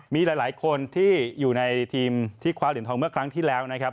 มีหลายคนที่อยู่ในทีมที่คว้าเหรียญทองเมื่อครั้งที่แล้วนะครับ